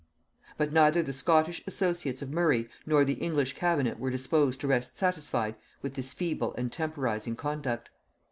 But neither the Scottish associates of Murray nor the English cabinet were disposed to rest satisfied with this feeble and temporizing conduct.